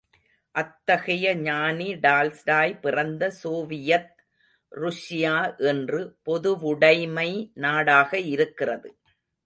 அத்தகைய ஞானி டால்ஸ்டாய் பிறந்த சோவியத் ருஷ்யா இன்று பொதுவுடைமை நாடாக இருக்கிறது.